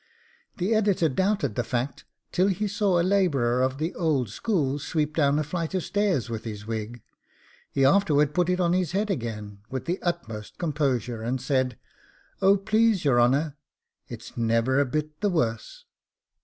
The Editor doubted the fact till he saw a labourer of the old school sweep down a flight of stairs with his wig; he afterwards put it on his head again with the utmost composure, and said, 'Oh, please your honour, it's never a bit the worse.